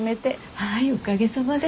はいおかげさまで。